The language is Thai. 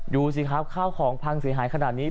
ดูสิครับข้าวของพังเสียหายขนาดนี้